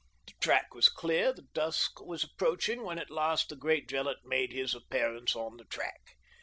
The track was clear, and dusk was approaching when at last the great Gillett made his appearance on the track.